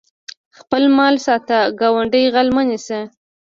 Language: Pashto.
خپل مال ساته ګاونډي غل مه نیسه